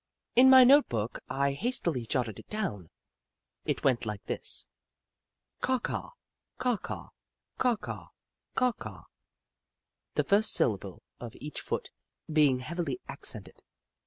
In my note book I hastily jotted it down. It went like this :Caw Caw, Caw Caw, Cazv Caw, Caw Caw,'' the first syllable of each foot being heavily ac cented.